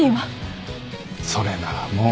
それならもう。